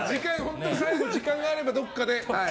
最後時間があればどこかで。